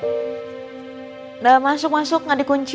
udah masuk masuk gak dikunci